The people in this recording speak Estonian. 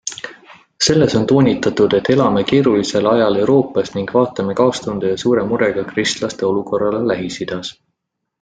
Selles on toonitatud, et elame keerulisel ajal Euroopas ning vaatame kaastunde ja suure murega kristlaste olukorrale Lähis-Idas.